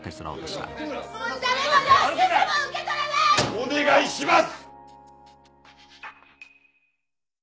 お願いします！